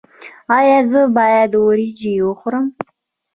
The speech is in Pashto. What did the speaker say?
ایا زه باید وریجې وخورم؟